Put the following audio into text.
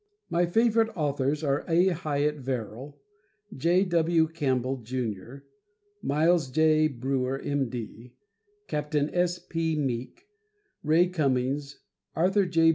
My favorite authors are A. Hyatt Verrill, J. W. Campbell, Jr., Miles J. Breuer, M. D., Captain S. P. Meek, Ray Cummings, Arthur J.